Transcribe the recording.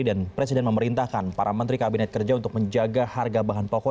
dan presiden memerintahkan para menteri kabinet kerja untuk menjaga harga bahan pokok